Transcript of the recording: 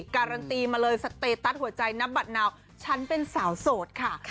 การันตีมาเลยสเตตัสหัวใจนับบัตรนาวฉันเป็นสาวโสดค่ะ